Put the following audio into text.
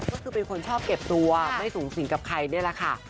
ก็คือเป็นคนชอบเก็บตัวไม่สูงสิงกับใครนี่แหละค่ะ